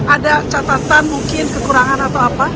ada catatan mungkin kekurangan atau apa dalam terima